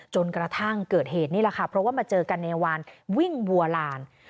จนกระทั่งเกิดเหตุนี่แหละค่ะเพราะว่ามาเจอกันในวานวิ่งวัวลาน